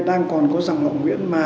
đang còn có dòng họng nguyễn mà